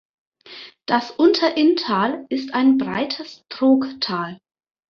Das Unterinntal ist ein breites Trogtal.